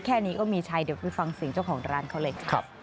แค่นี้ก็มีใช้เดี๋ยวไปฟังเสียงเจ้าของร้านเขาเลยค่ะ